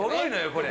これ。